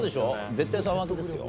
絶対３枠ですよ。